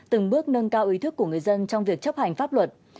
từng bước nâng cao ý thức của người dân trong việc chấp hành pháp luật